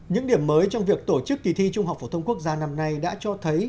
những điểm mới trong việc tổ chức kỳ thi trung học phổ thông quốc gia năm nay đã cho thấy